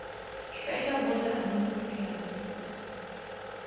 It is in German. Später wurde eine Brücke errichtet.